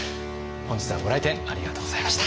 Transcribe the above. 本日はご来店ありがとうございました。